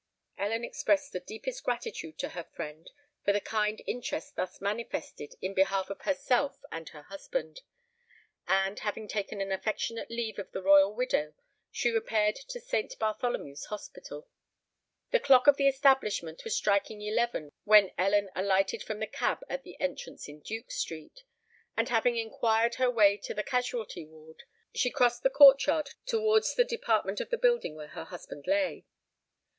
Ellen expressed the deepest gratitude to her friend for the kind interest thus manifested in behalf of herself and her husband; and, having taken an affectionate leave of the royal widow, she repaired to Saint Bartholomew's Hospital. The clock of the establishment was striking eleven when Ellen alighted from the cab at the entrance in Duke Street; and, having inquired her way to the Casualty Ward, she crossed the courtyard towards the department of the building where her husband lay.